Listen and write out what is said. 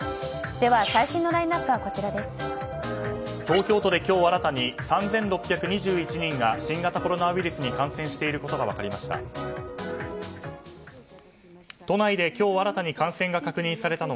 東京都で今日新たに３６２１人が新型コロナウイルスに感染していることが分かりました。